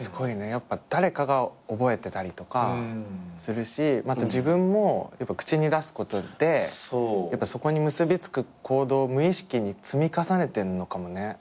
やっぱ誰かが覚えてたりとかするしまた自分も口に出すことでそこに結び付く行動を無意識に積み重ねてんのかもね。